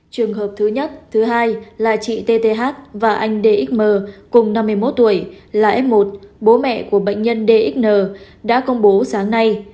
trường hợp thứ nhất thứ hai là chị tth và anh dxm cùng năm mươi một tuổi là f một bố mẹ của bệnh nhân dxn đã công bố sáng nay